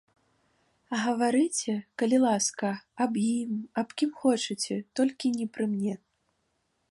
Гаварыце, калі ласка, аб ім, аб кім хочаце, толькі не пры мне.